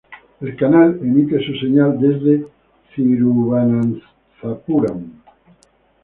El canal emite su señal desde Thiruvananthapuram.